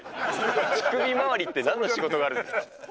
乳首周りってなんの仕事があるんですか。